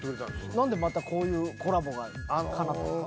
何でまたこういうコラボがかなったんすか？